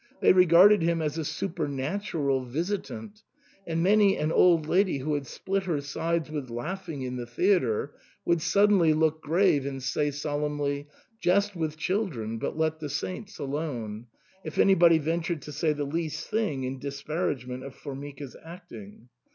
They regarded him as a supernatural visitant, and many an old lady who had split her sides with laughing in the theatre, would suddenly look grave and say solemnly, " Scherza coi fanti e IcLscia star santi*^ (Jest with children but let the saints alone), if anybody ventured to say the least thing in disparagement of Formica's acting.